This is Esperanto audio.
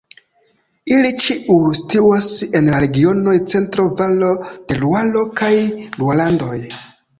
Ili ĉiuj situas en la regionoj Centro-Valo de Luaro kaj Luarlandoj.